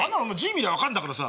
見りゃ分かんだからさ。